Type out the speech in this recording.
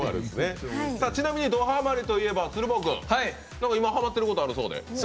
ちなみにドハマリといえば鶴房君今ハマってることがあるそうで。